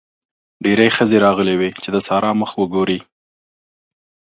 ډېرې ښځې راغلې وې چې د سارا مخ وګوري.